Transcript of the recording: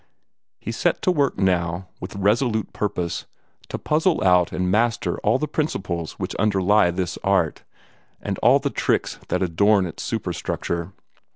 He set to work now, with resolute purpose, to puzzle out and master all the principles which underlie this art, and all the tricks that adorn its superstructure.